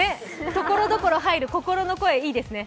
ところどころ入る、心の声いいですね。